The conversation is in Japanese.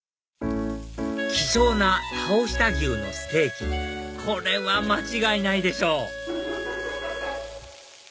希少な峠下牛のステーキこれは間違いないでしょ！